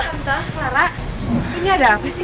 santa clara ini ada apa sih